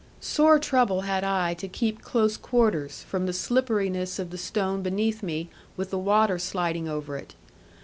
Sore trouble had I to keep close quarters, from the slipperiness of the stone beneath me with the water sliding over it.